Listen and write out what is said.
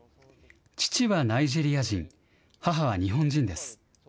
父はナイジェリア人、母は日本人です。